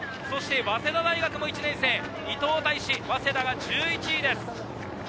そして早稲田大学も１年生、早稲田は１１位です。